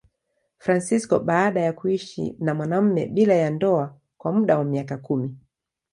Fransisko baada ya kuishi na mwanamume bila ya ndoa kwa muda wa miaka kumi.